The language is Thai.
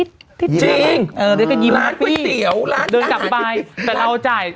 จริงเออแล้วก็ยิ้มร้านก๋วยเตี๋ยวร้านด้านเดินกลับไปแต่เราจ่าย